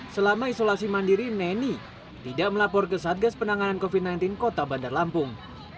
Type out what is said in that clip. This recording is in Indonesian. selama isolasi mandiri neni tidak melapor ke satgas penanganan covid sembilan belas kota bandar lampung